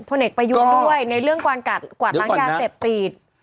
พลเอกประยุนด้วยในเรื่องกว่านกัดกวาดล้างยาเสพตีด